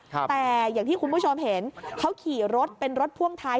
แต่อย่างที่คุณผู้ชมเห็นเขาขี่รถเป็นรถพ่วงท้าย